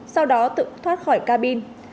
sau đó tự thoát khỏi cabin